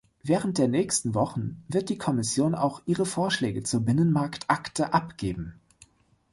Während der nächsten Wochen wird die Kommission auch ihre Vorschläge zur Binnenmarktakte abgeben.